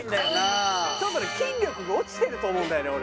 ちょっと筋力が落ちてると思うんだよね俺。